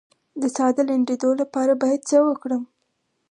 د ساه د لنډیدو لپاره باید څه وکړم؟